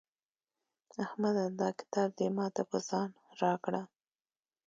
احمده دا کتاب دې ما ته په ځان راکړه.